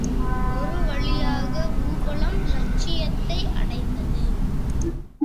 ஒரு வழியாக ஊர்வலம் லட்சியத்தை அடைந்தது.